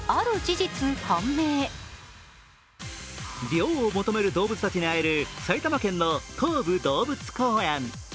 涼を求める動物たちに会える埼玉県の東武動物公園。